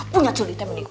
punya curi temeniku